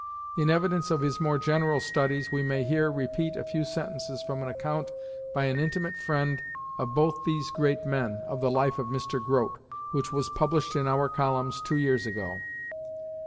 In evidence of his more general studies, we may here repeat a few sentences from an account, by an intimate friend of both these great men, of the life of Mr. Grote, which was published in our columns two years ago.